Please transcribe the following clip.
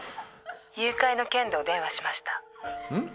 「誘拐の件でお電話しました」ん？